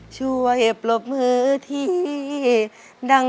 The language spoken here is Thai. ช่วยปรบมือที่ดัง